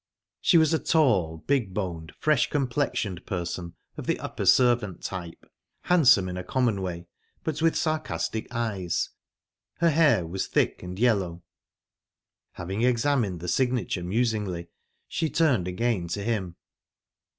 She was a tall, big boned, fresh complexioned person, of the upper servant type; handsome, in a common way, but with sarcastic eyes. Her hair was thick and yellow. Having examined the signature musingly, she turned again to him.